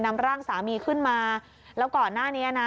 นำร่างสามีขึ้นมาแล้วก่อนหน้านี้นะ